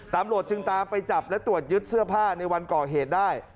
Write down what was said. ตำรวจจึงตามไปจับและตรวจยึดเสื้อผ้าในวันก่อเหตุได้